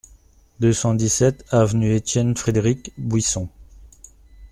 deux cent dix-sept avenue Étienne-Frédéric Bouisson